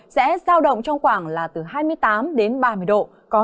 sẽ giao động trong khoảng là từ hai mươi tám đến ba mươi độ có nơi còn cao hơn